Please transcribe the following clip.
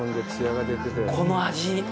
この味！